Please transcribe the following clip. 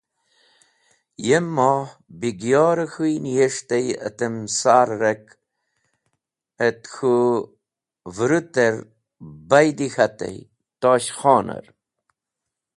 Yem Moh Begi’yor k̃hũy niyes̃htey atem sar-e ark et k̃hũ vũrũter baydi k̃hatey, Tosh Khoner.